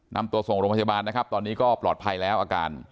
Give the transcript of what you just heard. นำตัวส่งโรงพยาบาลนะครับตอนนี้ก็ปลอดภัยแล้วอาการ